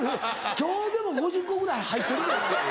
今日でも５０個ぐらい入ってる。